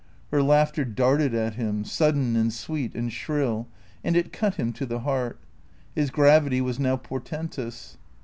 Her laughter darted at him, sudden and sweet and shrill, and it cut him to the heart. His gravity was now portentous.